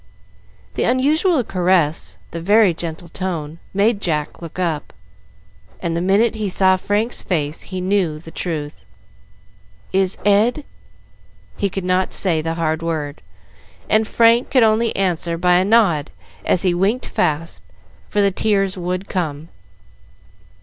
The unusual caress, the very gentle tone, made Jack look up, and the minute he saw Frank's face he knew the truth. "Is Ed ?" he could not say the hard word, and Frank could only answer by a nod as he winked fast, for the tears would come.